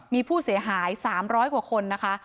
มีผู้เสียหาย๓๐๐กว่าคนนะคะ